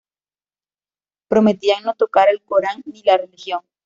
Prometían no tocar el Corán ni la religión.